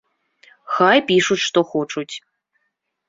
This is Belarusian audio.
Хай пішуць што хочуць.